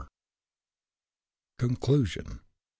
CONCLUSION.